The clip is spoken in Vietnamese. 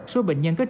số bệnh nhân có triệu